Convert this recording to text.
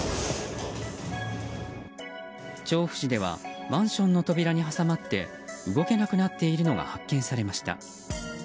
調布市ではマンションの扉に挟まって動けなくなっているのが発見されました。